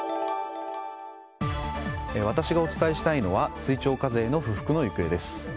私がお伝えしたいのは追徴課税への不服の行方です。